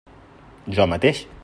Jo mateix.